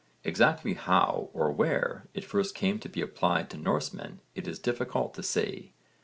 Exactly how or where it first came to be applied to Norsemen it is difficult to say.